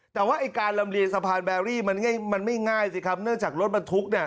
แต่ว่าไอ้การลำเลียงสะพานแบรี่มันไม่ง่ายสิครับเนื่องจากรถบรรทุกเนี่ย